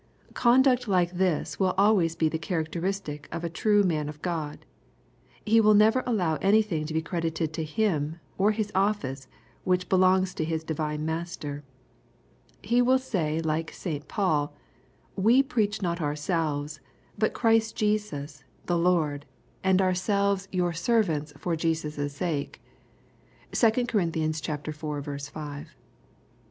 Conduct like this will always be the characteristic of a true " man of God." He will never allow anything to be credited to him, or his office, which belongs to his divine Master. He will say like St. Paul, " we preacb not ourselves, but Christ Jesus^ the Lord, and omselves 96 EXPOSITORY THOUGHTS* yottr servants for Jesus' sake." (2Cor.iv.5.)